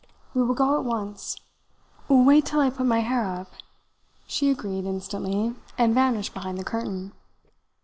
We will go at once!" "Wait till I put my hair up," she agreed instantly, and vanished behind the curtain.